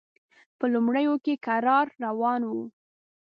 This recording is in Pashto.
په لومړیو کې کرار روان و.